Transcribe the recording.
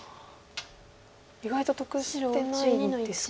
意外と得してないんですか。